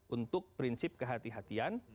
untuk prinsip kehatian